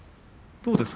どうですか？